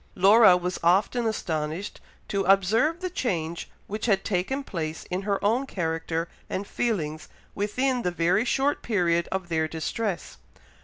Laura was often astonished to observe the change which had taken place in her own character and feelings within the very short period of their distress.